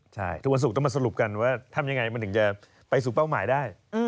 ใช่ทุกวันศุกร์ต้องมาสรุปกันว่าทำยังไงมันถึงจะไปสู่เป้าหมายได้